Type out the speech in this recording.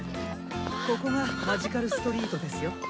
ここがマジカルストリートですよ。